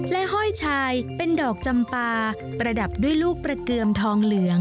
ห้อยชายเป็นดอกจำปาประดับด้วยลูกประเกือมทองเหลือง